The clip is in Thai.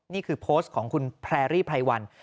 นี่คือโพสต์ของคุณแพรรี่ไพรวัน